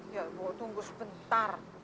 ya boh tunggu sebentar